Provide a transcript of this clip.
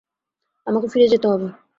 আমাকে ফিরে যেতে হবে।